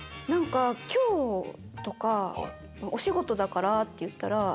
何か今日とかお仕事だからって言ったら。